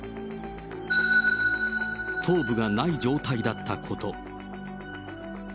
頭部がない状態だったこと。